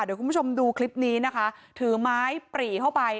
เดี๋ยวคุณผู้ชมดูคลิปนี้นะคะถือไม้ปรีเข้าไป